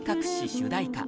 主題歌